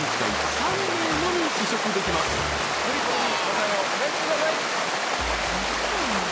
フリップに答えをお書きください。